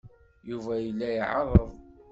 Yuba yella iɛerreḍ.